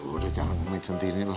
udah jangan ngomongin centini lah